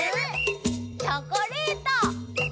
チョコレート！